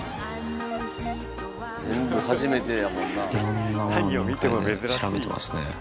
全部初めてやもんな。